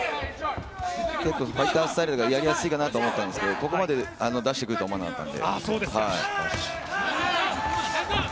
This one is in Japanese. ファイタースタイルがやりやすいかなと思ったんですけどここまで出してくるとは思わなかったんで。